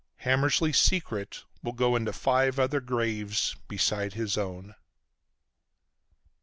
Hammersly's secret will go into five other graves besides his own.